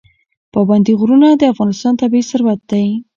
پابندی غرونه د افغانستان طبعي ثروت دی.